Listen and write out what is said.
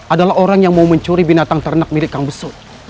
adalah orang yang mau mencuri binatang ternak milik kang besut